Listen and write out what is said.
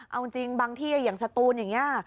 เอาจริงบางที่อย่างสตูนอย่างนี้